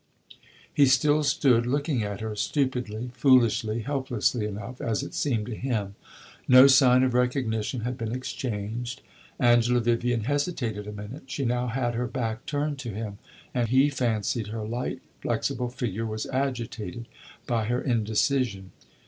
He still stood looking at her stupidly, foolishly, helplessly enough, as it seemed to him; no sign of recognition had been exchanged. Angela Vivian hesitated a minute; she now had her back turned to him, and he fancied her light, flexible figure was agitated by her indecision.